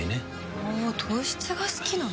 あ糖質が好きなの？